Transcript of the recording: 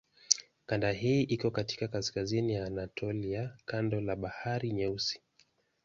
Kanda hii iko katika kaskazini ya Anatolia kando la Bahari Nyeusi.